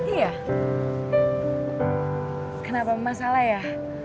iya kenapa masalah ya